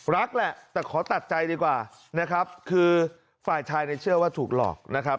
แหละแต่ขอตัดใจดีกว่านะครับคือฝ่ายชายเนี่ยเชื่อว่าถูกหลอกนะครับ